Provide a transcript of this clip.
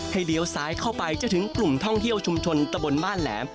เลี้ยวซ้ายเข้าไปจะถึงกลุ่มท่องเที่ยวชุมชนตะบนบ้านแหลม